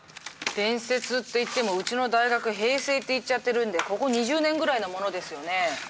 伝説っていってもうちの大学「平成」って言っちゃってるんでここ２０年ぐらいのものですよねぇ。